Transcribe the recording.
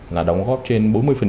là đóng góp trên bốn mươi